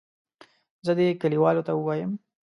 زه دې کلیوالو ته ووایم.